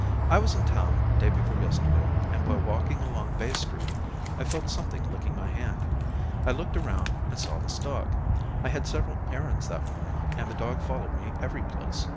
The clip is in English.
I was in town day before yesterday, and, while walking along Bay Street, I felt something licking my hand. I looked around, and saw this dog. I had several errands that morning and the dog followed me every place.